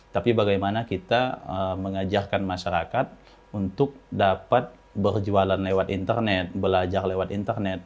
tapi bagaimana kita mengajarkan masyarakat untuk dapat berjualan lewat internet belajar lewat internet